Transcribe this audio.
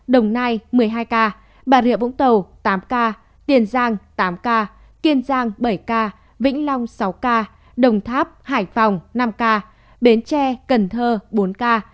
đồng nai một mươi hai ca bà rịa vũng tàu tám ca tiền giang tám ca kiên giang bảy ca vĩnh long sáu ca đồng tháp hải phòng năm ca bến tre cần thơ bốn ca